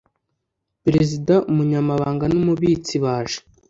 perezida umunyamabanga n umubitsi baje